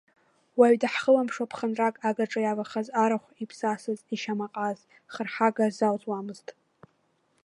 Уаҩ дахыламԥшуа ԥхынрак агаҿа иавахаз арахә, иԥсасаз, ишьамаҟаз хырҳага залҵуамызт.